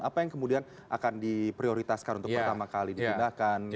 apa yang kemudian akan diprioritaskan untuk pertama kali dipindahkan